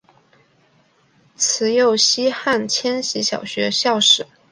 慈幼叶汉千禧小学校史